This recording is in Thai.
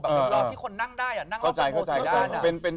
แบบรอบที่คนนั่งได้นั่งรอบกันโพลทุกด้าน